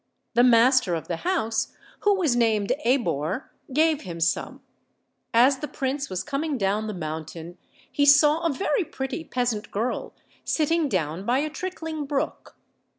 The master of the house, who was named Abor, gave him some. As the prince was coming down the mountain he saw a very pretty peasant girl sitting down by a trickling brook.